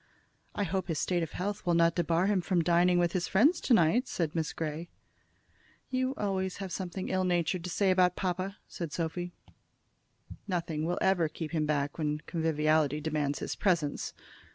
"I hope his state of health will not debar him from dining with his friends to night," said Miss Grey. "You have always something ill natured to say about papa," said Sophy. "Nothing will ever keep him back when conviviality demands his presence."